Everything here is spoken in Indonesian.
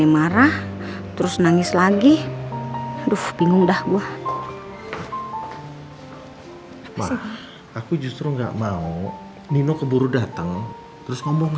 marah terus nangis lagi aduh bingung dah gue aku justru enggak mau nino keburu datang terus ngomong